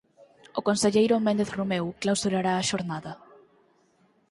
O conselleiro Méndez Romeu clausurará a xornada.